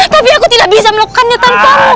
tapi aku tidak bisa melukakannya tanpamu